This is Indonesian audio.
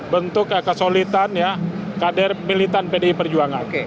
bentuk kesolidannya kader militan pdi perjuangan